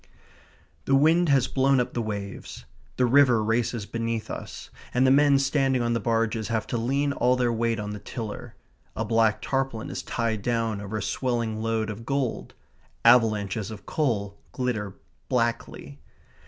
The wind has blown up the waves. The river races beneath us, and the men standing on the barges have to lean all their weight on the tiller. A black tarpaulin is tied down over a swelling load of gold. Avalanches of coal glitter blackly.